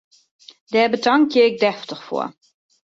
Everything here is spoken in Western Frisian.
Dêr betankje ik deftich foar!